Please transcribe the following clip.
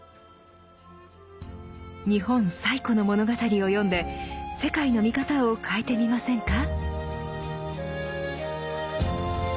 日本最古の物語を読んで世界の見方を変えてみませんか？